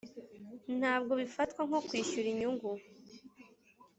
ntabwo bifatwa nko kwishyura inyungu